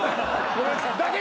ごめんなさい。